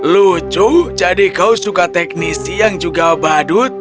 lucu jadi kau suka teknisi yang juga badut